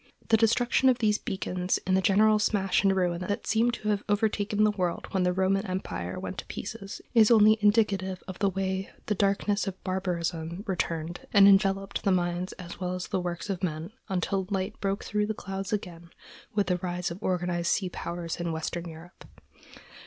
The destruction of these beacons in the general smash and ruin that seem to have overtaken the world when the Roman empire went to pieces is only indicative of the way the darkness of barbarism returned and enveloped the minds as well as the works of men, until light broke through the clouds again with the rise of organized sea powers in Western Europe.